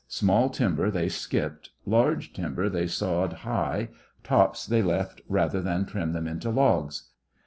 Small timber they skipped, large timber they sawed high, tops they left rather than trim them into logs.